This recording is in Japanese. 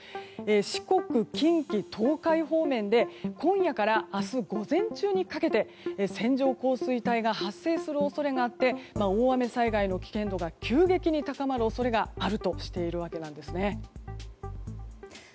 四国、近畿・東海方面で今夜から明日午前中にかけて線状降水帯が発生する恐れがあって大雨災害の危険度が急激に高まる恐れがあるとしているわけなんですね。